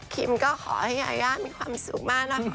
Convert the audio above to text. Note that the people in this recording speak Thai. ก็ขอให้ยายามีความสุขมากนะคะ